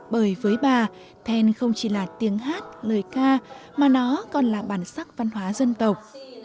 bởi với bà then không chỉ là tiếng hát lời ca mà nó còn là bản sắc văn hóa dân tộc